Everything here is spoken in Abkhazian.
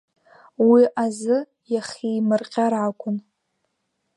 Уи азы иахимырҟьар акәын.